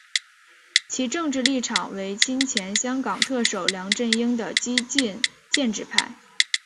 其政治立场为亲前香港特首梁振英的激进建制派。